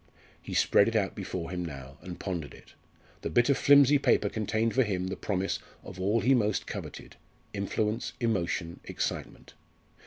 He spread it out before him now, and pondered it. The bit of flimsy paper contained for him the promise of all he most coveted, influence, emotion, excitement.